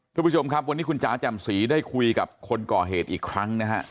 คุณผู้ชมครับวันนี้คุณจ๋าแจ่มสีได้คุยกับคนก่อเหตุอีกครั้งนะฮะ